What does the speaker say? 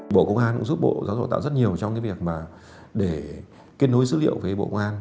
bộ công an cũng giúp bộ giáo dục và đào tạo rất nhiều trong việc kết nối dữ liệu với bộ công an